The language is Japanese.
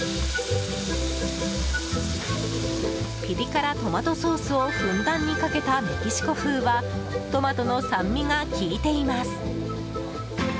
ピリ辛トマトソースをふんだんにかけたメキシコ風はトマトの酸味が効いています。